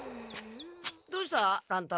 どうした？